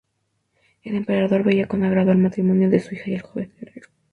El emperador veía con agrado el matrimonio de su hija y el joven guerrero.